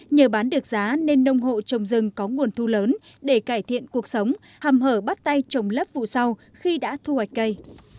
nhờ bán được giá nên nông hộ trồng rừng có nguồn thu lớn để cải thiện cuộc sống hàm hở bắt tay trồng lấp vụ sau khi đã thu hoạch cây